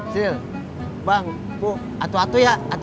sil bang bu atu atu ya